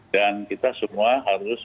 dan kita semua harus melakukan berkegiatan